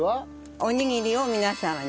おにぎりを皆さんに。